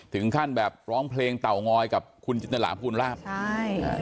ถึงขั้นแบบร้องเพลงเต่างอยกับคุณจินตราภูลลาบใช่อ่า